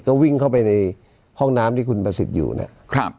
ก็วิ่งเข้าไปในห้องน้ำที่คุณประสิทธิ์อยู่นะครับ